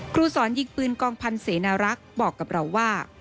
ครูสอนยิงปืนกองพันธ์เสนารักษ์บอกกับเราว่า